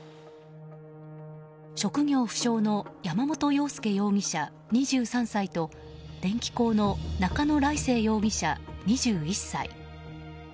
職業不詳の山本陽介容疑者、２３歳と電気工の中野礼誠容疑者、２１歳。